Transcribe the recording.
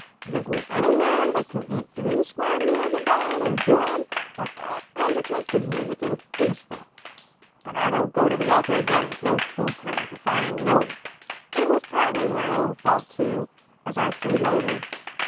Give me any man that can eat three square meals a day an' enjoy 'em, an' I'll undertake to live with him peaceful, but I don't go to the altar again with no food crank, if I know it. "It was partly my own fault, too, as I see later.